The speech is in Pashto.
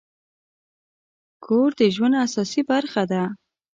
کور د ژوند اساسي برخه ده.